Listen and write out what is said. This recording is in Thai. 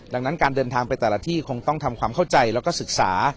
ดังนั้นการเดินทางไปแต่ละที่คงต้องทำความเข้าใจแล้วก็ศึกษา